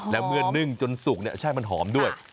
และเมื่อนึ่งจนสุกใช่มันหอมด้วย